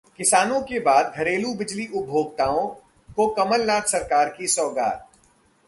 किसानों के बाद घरेलू बिजली उपभोक्ताओं को कमलनाथ सरकार की सौगात